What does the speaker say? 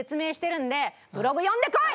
ブログ読んでこい！